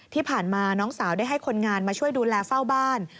ที่ผ่านมาน้องสาวได้ให้คนงานมาช่วยดูแลเฝ้าบ้าน